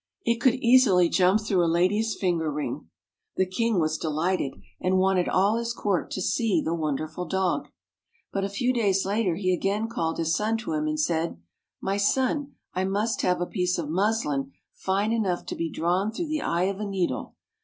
It could easily jump through a lady's finger ring. The King was delighted, and wanted all his court to see the wonderful dog. But a few days later he again called his son to him and said, " My son, I must have a piece of muslin fine enough to be drawn through the eye of a needle.